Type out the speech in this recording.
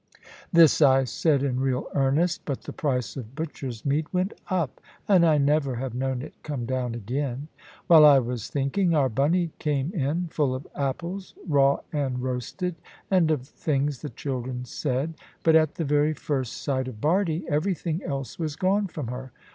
This I said in real earnest; but the price of butcher's meat went up, and I never have known it come down again. While I was thinking, our Bunny came in, full of apples, raw and roasted, and of the things the children said. But at the very first sight of Bardie, everything else was gone from her.